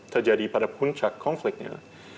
terjadi pada puncak konfliknya